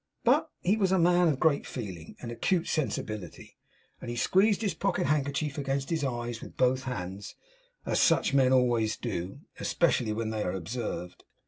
But he was a man of great feeling and acute sensibility; and he squeezed his pocket handkerchief against his eyes with both hands as such men always do, especially when they are observed.